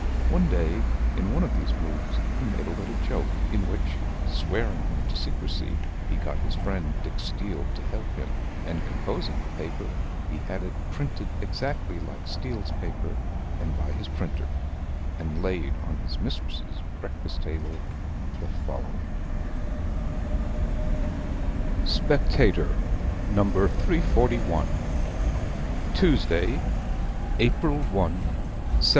One day, in one of these moods, he made a little joke, in which (swearing him to secrecy) he got his friend Dick Steele to help him; and, composing a paper, he had it printed exactly like Steele's paper, and by his printer, and laid on his mistress's breakfast table the following "SPECTATOR. "No. 341. "Tuesday, April 1, 1712.